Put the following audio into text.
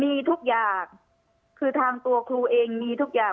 มีทุกอย่างคือทางตัวครูเองมีทุกอย่าง